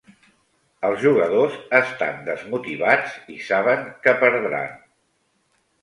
Els jugadors estan desmotivats i saben que perdran.